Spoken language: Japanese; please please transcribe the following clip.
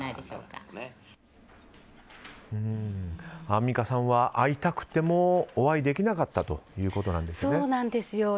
アンミカさんは、会いたくてもお会いできなかったということなんですよね。